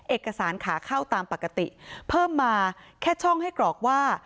เอกสารขาเข้าตามปกติเพิ่มมาแค่ช่องให้กรอกว่า